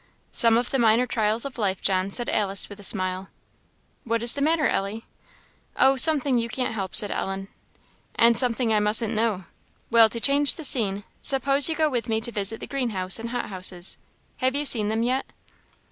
"Some of the minor trials of life, John," said Alice, with a smile. "What is the matter, Ellie?" "Oh, something you can't help," said Ellen. "And something I mustn't know. Well, to change the scene suppose you go with me to visit the greenhouse and hothouses. Have you seen them yet?"